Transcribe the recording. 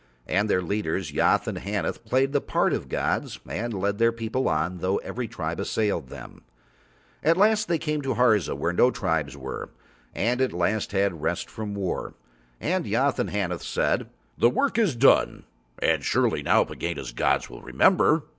And their leaders, Yoth and Haneth, played the part of gods and led their people on though every tribe assailed them. At last they came to Harza, where no tribes were, and at last had rest from war, and Yoth and Haneth said: "The work is done, and surely now Pegāna's gods will remember."